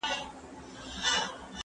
زه اجازه لرم چي درسونه اورم!؟